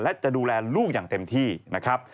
และจะดูแลลูกอย่างเต็มที่นะครับ